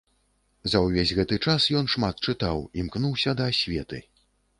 За ўвесь гэты час ён шмат чытаў, імкнуўся да асветы.